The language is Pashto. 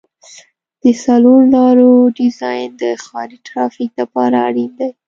د څلور لارو ډیزاین د ښاري ترافیک لپاره اړین دی